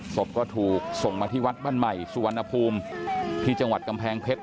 ศพก็ถูกส่งมาที่วัดบ้านใหม่สุวรรณภูมิที่จังหวัดกำแพงเพชร